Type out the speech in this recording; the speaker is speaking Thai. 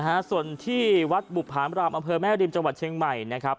ฮะส่วนที่วัดบุภามรามอำเภอแม่ริมจังหวัดเชียงใหม่นะครับ